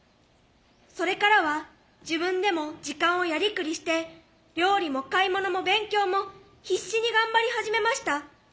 それからは自分でも時間をやりくりして料理も買い物も勉強も必死に頑張り始めました。